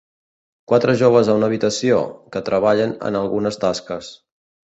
Quatre joves a una habitació, que treballen en algunes tasques.